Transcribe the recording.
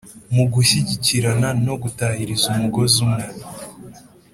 mu gushyigikirana no gutahiriza umugozi umwe